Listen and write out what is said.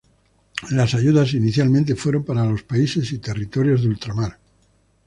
Las ayudas inicialmente fueron para los países y territorios de ultramar.